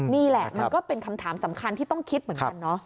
นี่แหละมันก็เป็นคำถามสำคัญที่ต้องคิดเหมือนกันเนาะ